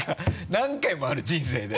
何回もある人生で。